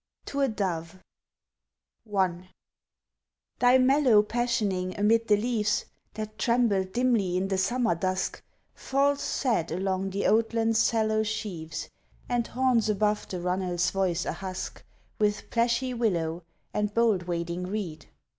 TO A DOVE 1 Thy mellow passioning amid the leaves, That tremble dimly in the summer dusk, Falls sad along the oatland's sallow sheaves And haunts above the runnel's voice a husk With plashy willow and bold wading reed.